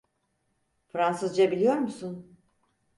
Fransızca biliyor musun?